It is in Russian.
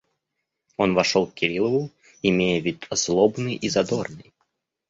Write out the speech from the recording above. Он вошел к Кириллову, имея вид злобный и задорный.